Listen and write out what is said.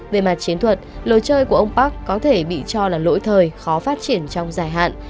về mặt chiến thuật lối chơi của ông park có thể bị cho là lỗi thời khó phát triển trong dài hạn